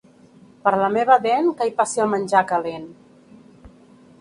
Per la meva dent, que hi passi el menjar calent.